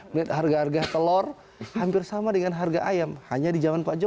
menit harga harga telur hampir sampai ke dalam hal ini ya maksudnya itu adalah kebetulan dari